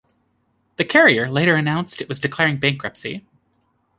The carrier later announced it was declaring bankruptcy.